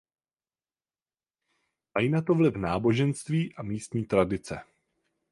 Mají na to vliv náboženství a místní tradice.